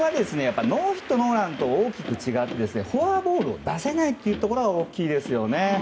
ノーヒットノーランと大きく違ってフォアボールを出さないところが大きいですね。